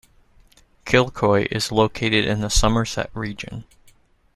Kilcoy is located in the Somerset Region.